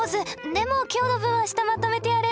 でも今日の分は明日まとめてやれば。